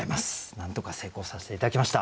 なんとか成功させて頂きました。